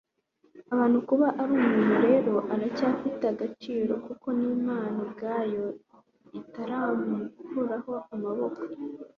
abantu. kuba ari umuntu rero aracyafite agaciro, kuko n'imana ubwayo itaramukuraho amaboko